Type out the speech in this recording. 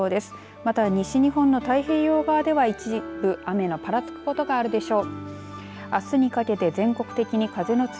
また西日本の太平洋側では一部雨のぱらつくことがあるでしょう。